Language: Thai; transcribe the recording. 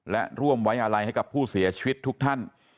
และร่วมไว้อะไรให้กับผู้เสียชีวิตทุกท่าน